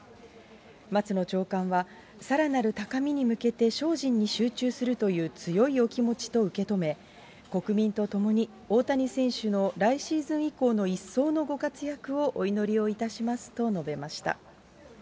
松野長官は、さらなる高みに向けて精進に集中するという強いお気持ちと受け止め、国民と共に大谷選手の来シーズン以降の一層のご活躍をお祈りをいたしますと述べました。